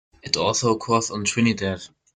It also occurs on Trinidad.